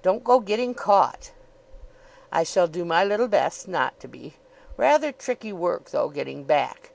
"Don't go getting caught." "I shall do my little best not to be. Rather tricky work, though, getting back.